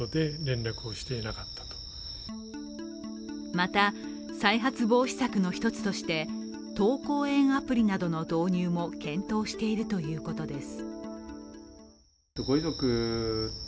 また、再発防止策の１つとして、登降園アプリなどの導入も検討しているということです。